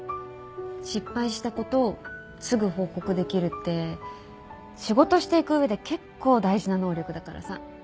失敗したことすぐ報告できるって仕事していく上で結構大事な能力だからさ